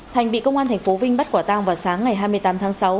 thành bị công an tp vinh bắt quả tang vào sáng ngày hai mươi tám tháng sáu